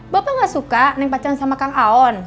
bapak gak suka neng pacaran sama kang aon